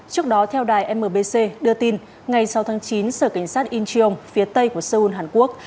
trước đó theo đài mbc đưa tin ngày sáu tháng chín sở cảnh sát incheon phía tây của seoul hàn quốc